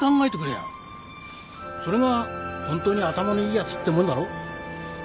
それがホントに頭のいいヤツってもんだろ？